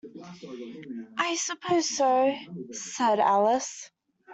‘I suppose so,’ said Alice.